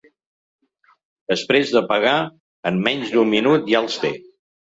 Després de pagar, en menys d’un minut ja els té.